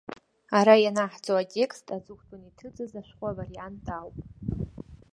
Ара ианаҳҵо атекст аҵыхәтәан иҭыҵыз ашәҟәы авариант ауп.